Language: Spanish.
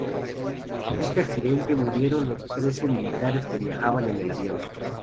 En este accidente murieron los trece militares que viajaban en el avión.